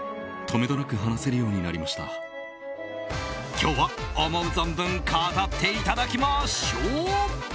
今日は思う存分語っていただきましょう。